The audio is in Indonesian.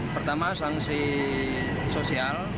pertama sanksi sosial